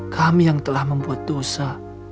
kami yang telah membuat dosa